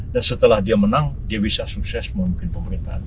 dan setelah dia menang dia bisa sukses memimpin pemerintahan